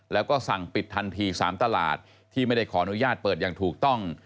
แล้วก็สั่งปิดทันที๓ตลาดที่ไม่ได้ขออนุญาตเปิดอย่างถูกต้อง